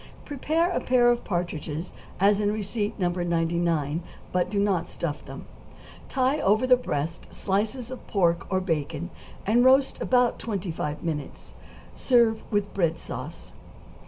= Prepare a pair of partridges as in receipt No. 99, but do not stuff them; tie over the breasts slices of pork or bacon, and roast about twenty five minutes; serve with bread sauce.